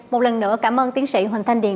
một lần nữa cảm ơn tiến sĩ hoàng thanh điền